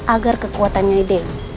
agar kekuatannya dewi